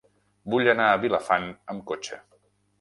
Vull anar a Vilafant amb cotxe.